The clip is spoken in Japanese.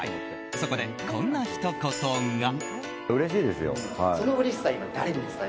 そこでこんなひと言が。